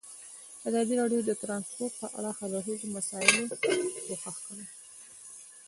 ازادي راډیو د ترانسپورټ په اړه د هر اړخیزو مسایلو پوښښ کړی.